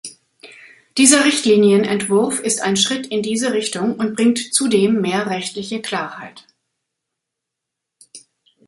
Dieser Richtlinienentwurf ist ein Schritt in diese Richtung und bringt zudem mehr rechtliche Klarheit.